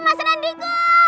tata mas rendy